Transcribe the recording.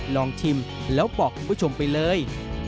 ลองชิมแล้วบอกคุณผู้ชมไปเลย